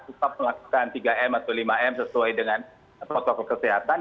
tetap melakukan tiga m atau lima m sesuai dengan protokol kesehatan